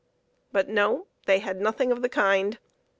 But no; they had nothing of the kind.